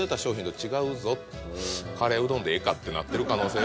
「カレーうどんでええか」ってなってる可能性は。